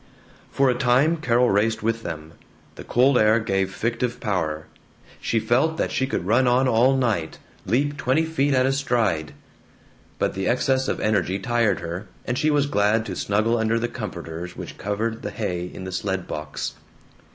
For a time Carol raced with them. The cold air gave fictive power. She felt that she could run on all night, leap twenty feet at a stride. But the excess of energy tired her, and she was glad to snuggle under the comforters which covered the hay in the sled box.